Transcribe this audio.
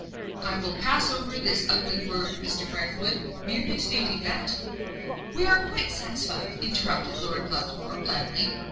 "I will pass over this ugly word, Mr. Brithwood, merely stating that " "We are quite satisfied," interrupted Lord Luxmore, blandly.